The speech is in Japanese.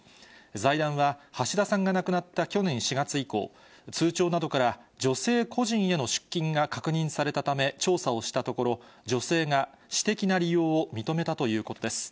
財団は、橋田さんが亡くなった去年４月以降、通帳などから女性個人への出金が確認されたため、調査をしたところ、女性が私的な利用を認めたということです。